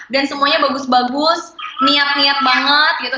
dan semuanya bagus bagus niat niat banget gitu